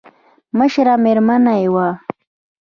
مشره مېرمن يې وه.